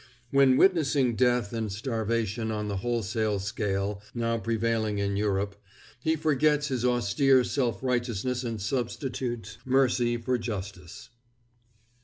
When witnessing death and starvation on the wholesale scale now prevailing in Europe, he forgets his austere self righteousness and substitutes mercy for justice.